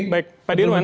baik pak dirman